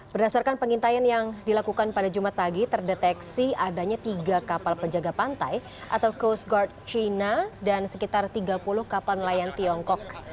berdasarkan pengintaian yang dilakukan pada jumat pagi terdeteksi adanya tiga kapal penjaga pantai atau coast guard china dan sekitar tiga puluh kapal nelayan tiongkok